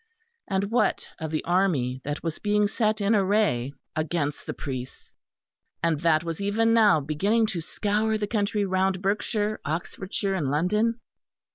And what of the army that was being set in array against the priests, and that was even now beginning to scour the country round Berkshire, Oxfordshire, and London?